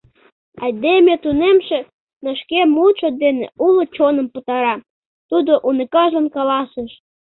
— Айдеме тунемше, но шке мутшо дене уло чоным пытара, — тудо уныкажлан каласыш.